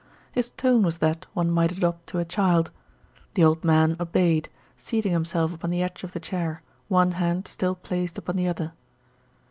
His tone was that one might adopt to a child. The old man obeyed, seating himself upon the edge of the chair, one hand still placed upon the other.